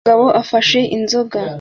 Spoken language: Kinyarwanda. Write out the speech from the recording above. Umugabo afashe inzoga